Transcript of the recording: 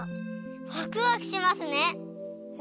ワクワクしますね。